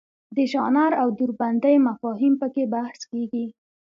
د ژانر او دوربندۍ مفاهیم پکې بحث کیږي.